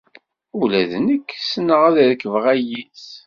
Ula d nekk ssneɣ ad rekbeɣ ayis.